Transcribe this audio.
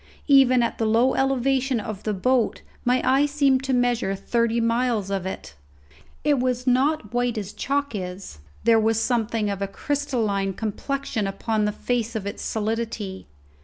Even at the low elevation of the boat my eye seemed to measure thirty miles of it. It was not white as chalk is; there was something of a crystalline complexion upon the face of its solidity.